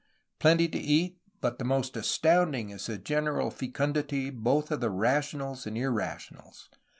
Plenty to eat, but the most astounding is the general fecundity, both of rationals and irra tionals.